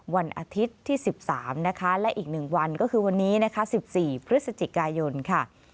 วันอาทิตย์ที่สิบสามนะคะและอีกหนึ่งวันก็คือวันนี้นะคะสิบสี่พฤษจิกายนค่ะ